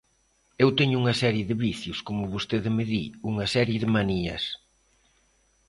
Eu teño unha serie de vicios, como vostede me di, unha serie de manías.